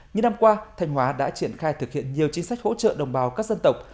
những năm qua thanh hóa đã triển khai thực hiện nhiều chính sách hỗ trợ đồng bào các dân tộc